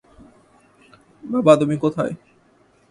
বাবা, তুমি কোথায়?